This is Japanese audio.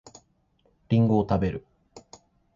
りんごを食べる